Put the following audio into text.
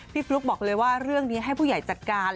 ฟลุ๊กบอกเลยว่าเรื่องนี้ให้ผู้ใหญ่จัดการ